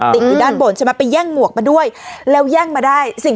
ติดอยู่ด้านบนใช่ไหมไปแย่งหมวกมาด้วยแล้วแย่งมาได้สิ่ง